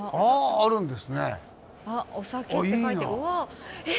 あっ「お酒」って書いてる。